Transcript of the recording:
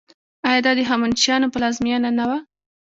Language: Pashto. آیا دا د هخامنشیانو پلازمینه نه وه؟